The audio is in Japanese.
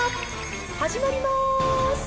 始まります。